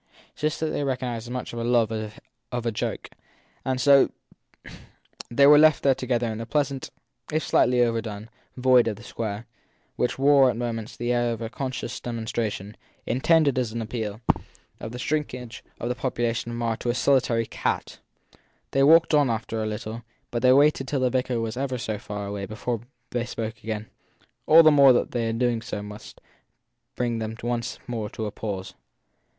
This they recognised as much as his love of a joke, and so they were left there together in the pleasant, if slightly over done, void of the square, which wore at moments the air of a conscious demonstration, intended as an appeal, of the shrink age of the population of Marr to a solitary cat. They walked on after a little, but they waited till the vicar was ever so far away before they spoke again; all the more that their doing so must bring them once more to a pause.